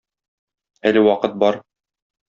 Әле вакыт бар.